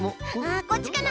あこっちかな？